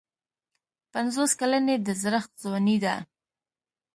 پنځوس کلني د زړښت ځواني ده.